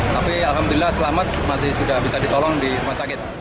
tapi alhamdulillah selamat masih sudah bisa ditolong di rumah sakit